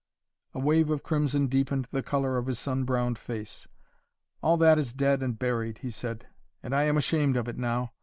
A wave of crimson deepened the color of his sunbrowned face. "All that is dead and buried," he said, "and I am ashamed of it, now.